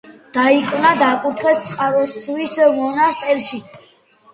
დიაკვნად აკურთხეს წყაროსთავის მონასტერში.